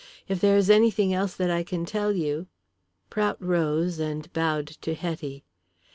If there is anything else that I can tell you " Prout rose and bowed to Hetty.